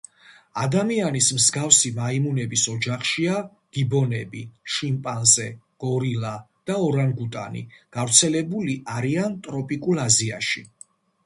ადამიანის მსგავსი მაიმუნების ოჯახშია გიბონები, შიმპანზე, გორილა და ორანგუტანი; გავრცელებული არიან ტროპიკულ აზიაში.